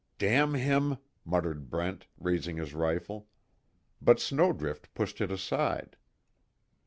"Damn him!" muttered Brent, raising his rifle. But Snowdrift pushed it aside.